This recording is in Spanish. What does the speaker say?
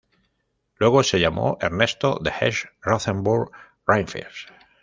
Luego se llamó Ernesto de Hesse-Rotenburg-Rheinfels.